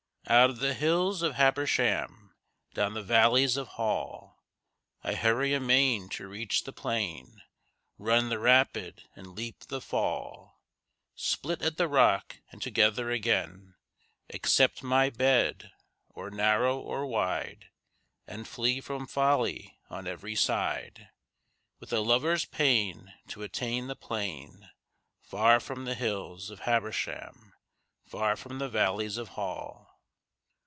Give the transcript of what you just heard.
Out of the hills of Habersham, Down the valleys of Hall, I hurry amain to reach the plain, Run the rapid and leap the fall, Split at the rock and together again, Accept my bed, or narrow or wide, And flee from folly on every side With a lover's pain to attain the plain Far from the hills of Habersham, Far from the valleys of Hall.